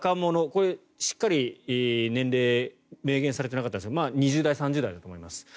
これ、しっかり年齢が明言されていなかったんですが２０代、３０代だと思います。